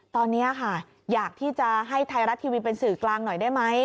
ตอนนี้ค่ะอยากที่จะให้ไทยรัฐทีวีเป็นสื่อกลางหน่อยได้ไหม